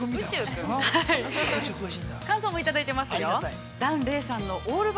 感想をいただいています。